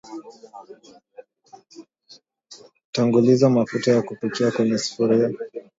Tanguliza mafuta ya kupikia kwenye sufuria